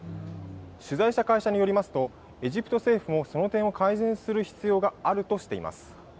取材した会社によりますとエジプト政府もその点を改善する必要があるとしています。